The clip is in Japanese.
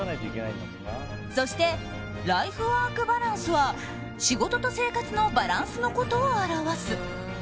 そして、ライフワークバランスは仕事と生活のバランスのことを表す。